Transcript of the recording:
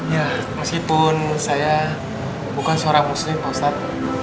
ya meskipun saya bukan seorang muslim pak ustad